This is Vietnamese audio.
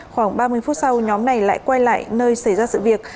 khoảng ba mươi phút sau nhóm này lại quay lại nơi xảy ra sự việc